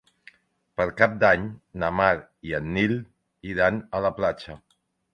Per Cap d'Any na Mar i en Nil iran a la platja.